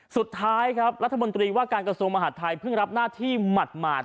สุดท้ายครับรัฐมนตรีว่าการกระทรวงมหาดไทยเพิ่งรับหน้าที่หมาด